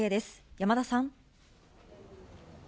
山田さん。